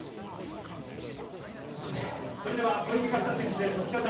それでは、小池岳太選手です。